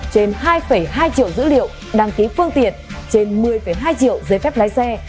trên hai hai triệu dữ liệu đăng ký phương tiện trên một mươi hai triệu giấy phép lái xe